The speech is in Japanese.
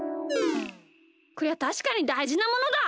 こりゃたしかにだいじなものだ！